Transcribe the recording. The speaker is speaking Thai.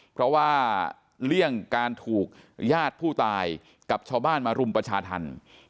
เพราะว่าเลี่ยงการถูกญาติผู้ตายกับชาวบ้านมารุมประชาธรรม